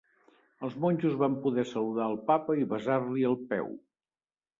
Els monjos van poder saludar al papa i besar-li el peu.